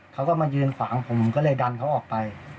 เขาก็มายืนขวางผมก็เลยดันเขาออกไป